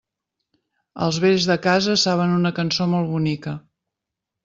Els vells de casa saben una cançó molt bonica.